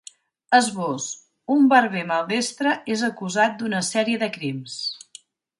Esbós: Un barber maldestre és acusat d’una sèrie de crims.